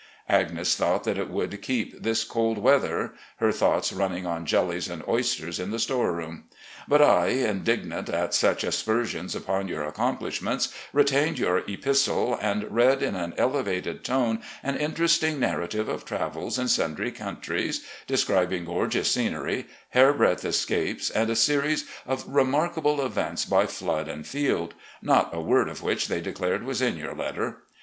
Agnes thought that it would keep this cold weather — her thoughts running on jellies and oysters in the store room; but I, indignant at such aspersions upon your accomplishments, retained your epistle and read in an elevated tone an interesting narrative of travels in sundry countries, describing gorgeous scenery, hairbreadth es capes, and a series of remarkable events by flood and field, not a word of which they declared was in your letter.